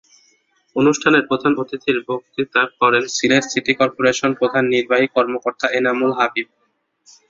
অনুষ্ঠানে প্রধান অতিথির বক্তৃতা করেন সিলেট সিটি করপোরেশনের প্রধান নির্বাহী কর্মকর্তা এনামুল হাবীব।